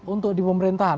untuk di pemerintahan